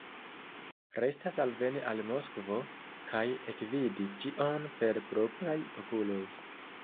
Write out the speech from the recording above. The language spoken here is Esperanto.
Restas alveni al Moskvo kaj ekvidi ĉion per propraj okuloj.